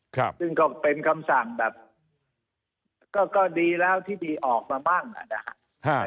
ซึ่งก็เป็นคำสั่งแบบก็ดีแล้วที่ดีออกมาบ้างอ่ะนะฮะ